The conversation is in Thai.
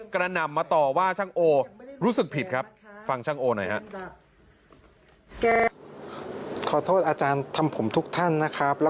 กระหน่ำมาต่อว่าช่างโอรู้สึกผิดครับฟังช่างโอหน่อยฮะ